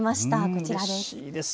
こちらです。